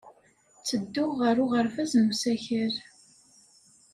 Ttedduɣ ɣer uɣerbaz s usakal.